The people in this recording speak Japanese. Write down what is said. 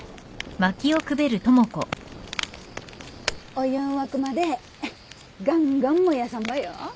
お湯ん沸くまでガンガン燃やさんばよ。